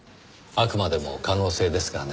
あくまでも可能性ですがね。